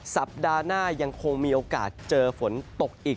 สัปดาห์หน้ายังคงมีโอกาสเจอฝนตกอีก